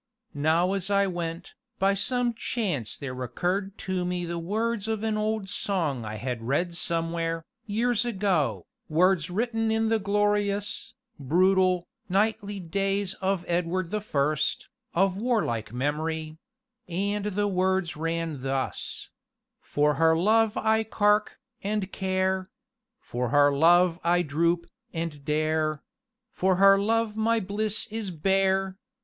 Now as I went, by some chance there recurred to me the words of an old song I had read somewhere, years ago, words written in the glorious, brutal, knightly days of Edward the First, of warlike memory; and the words ran thus: "For her love I carke, and care, For her love I droop, and dare, For her love my bliss is bare.